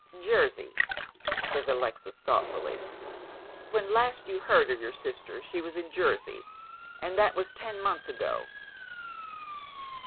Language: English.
" Jersey," says Alexis, thoughtfully, " when last you heard of /our sister she was in Jersey, and that was ten months ago